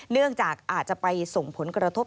เนื่องจากอาจจะไปส่งผลกระทบ